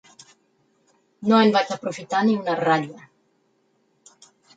No en vaig aprofitar ni una ratlla.